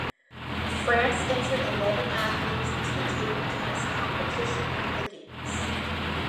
France entered eleven athletes into the table tennis competition at the games.